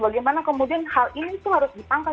bagaimana kemudian hal ini itu harus ditangkap